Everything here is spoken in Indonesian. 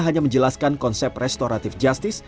hanya menjelaskan konsep restoratif justice